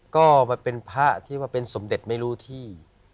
ก็เป็นพระที่ว่าเป็นสมเด็จไม่รู้ที่